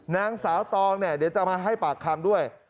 นางสาวตองเดี๋ยวจะมาให้ปากคามด้วย